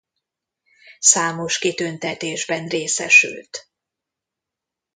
Számos kitüntetésben részesült.